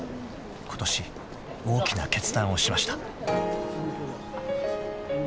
［ことし大きな決断をしました］